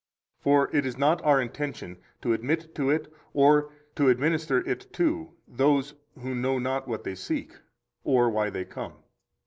For it is not our intention to admit to it and to administer it to those who know not what they seek, or why they come.